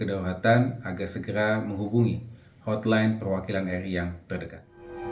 kedaulatan agar segera menghubungi hotline perwakilan ri yang terdekat